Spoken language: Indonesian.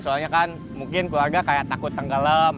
soalnya kan mungkin keluarga kayak takut tenggelam